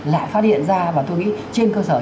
lại phát hiện ra và tôi nghĩ trên cơ sở